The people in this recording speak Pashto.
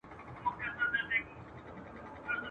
د هغه مرحوم په ویر کي ولیکل..